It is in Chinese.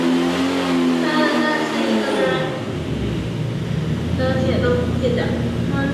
乐渊站是位于朝鲜民主主义人民共和国黄海南道长渊郡乐渊劳动者区的一个铁路车站。